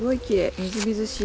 みずみずしい。